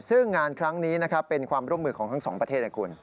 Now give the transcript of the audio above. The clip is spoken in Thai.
ซึ่งงานครั้งนี้นะครับเป็นความร่วมมือของทั้งสองประเทศนะคุณ